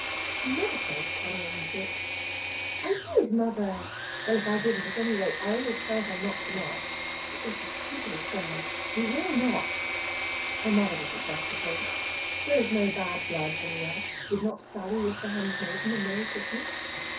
"You never said 'Come in,' chick." "I did, mother! Well, if I didn't, at any rate, I always tell her not to knock. She is the stupidest girl. She will knock!" Her mother doesn't press the point. There is no bad blood anywhere. Did not Sally wish the handmaiden a merry Christmas?